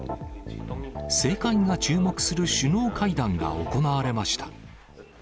世界が注目する首脳会談が行われました。